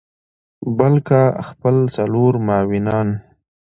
بلکه خپل څلور معاونین